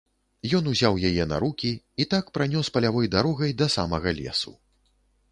Ён узяў яе на рукі і так пранёс палявой дарогай да самага лесу.